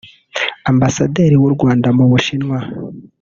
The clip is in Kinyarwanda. Ambasaderi w’u Rwanda mu Bushinwa